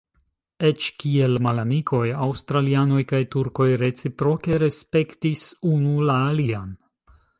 Eĉ kiel malamikoj aŭstralianoj kaj turkoj reciproke respektis unu la alian.